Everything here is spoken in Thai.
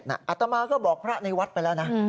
อาตมาก็บอกพระในวัดไปแล้วนะ